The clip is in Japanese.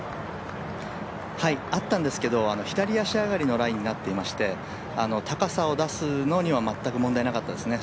あったんですけど、左足上がりのライになっていまして高さを出すのには全く問題なかったですね。